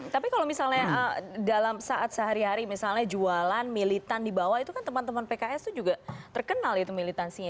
tapi kalau misalnya dalam saat sehari hari misalnya jualan militan di bawah itu kan teman teman pks tuh juga terkenal itu militansinya